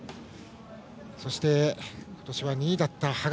そして、今年は２位だった羽賀。